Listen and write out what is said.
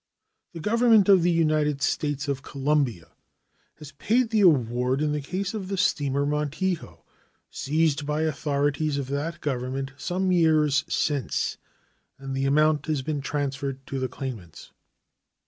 The Government of the United States of Colombia has paid the award in the case of the steamer Montijo, seized by authorities of that Government some years since, and the amount has been transferred to the claimants.